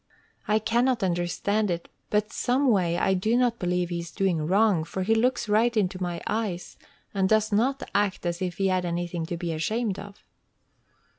I cannot understand it, but some way I do not believe he is doing wrong, for he looks right into my eyes, and does not act as if he had anything to be ashamed of."